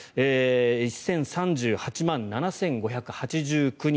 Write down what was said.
１０３８万７５８９人。